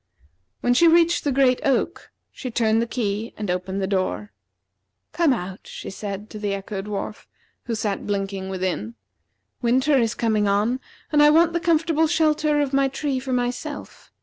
When she reached the great oak, she turned the key and opened the door. "Come out," she said to the Echo dwarf, who sat blinking within. "Winter is coming on, and I want the comfortable shelter of my tree for myself.